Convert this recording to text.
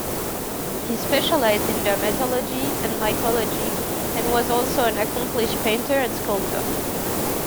He specialized in dermatology and mycology, and was also an accomplished painter and sculptor.